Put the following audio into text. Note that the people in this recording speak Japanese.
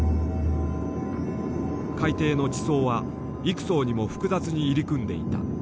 海底の地層は幾層にも複雑に入り組んでいた。